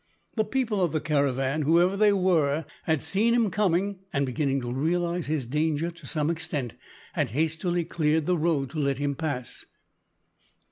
The people of the caravan whoever they were had seen him coming, and, beginning to realise his danger to some extent, had hastily cleared the road to let him pass.